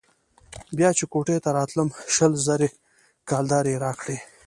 بيا چې كوټې ته راتلم شل زره كلدارې يې راکړې.